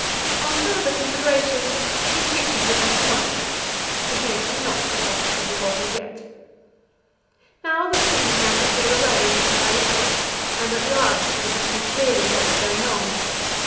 On further consideration, his features were too smiling; the head could not be severed from the body yet. Now the steam began to clear away little by little, and at last one could see clearly what was going on.